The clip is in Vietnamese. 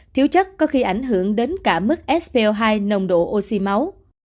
thiếu chất có khi ảnh hưởng đến cả mức sp hai nồng độ oxy máu